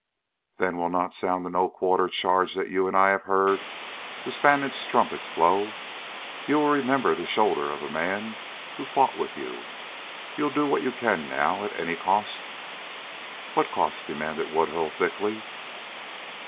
"Then we'll not sound the No quarter charge that you and I have heard the Spanish trumpets blow. You will remember the shoulder of a man who fought with you? You'll do what you can now at any cost?" "What cost?" demanded Woodhull thickly.